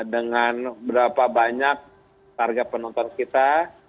dengan berapa banyak target penonton kita